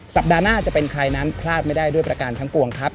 สัปดาห์หน้าจะเป็นใครนั้นพลาดไม่ได้ด้วยประการทั้งปวงครับ